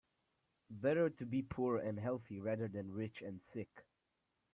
Better to be poor and healthy rather than rich and sick.